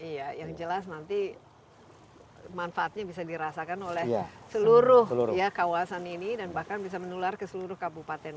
iya yang jelas nanti manfaatnya bisa dirasakan oleh seluruh kawasan ini dan bahkan bisa menular ke seluruh kabupaten